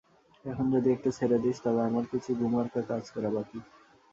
এখন যদি একটু ছেড়ে দিস তবে আমার কিছু গুমার্কা কাজ করা বাকি।